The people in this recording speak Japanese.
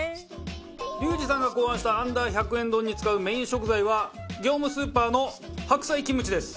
リュウジさんが考案したＵ−１００円丼に使うメイン食材は業務スーパーの白菜キムチです。